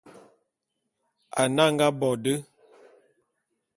Ane a nga bo de.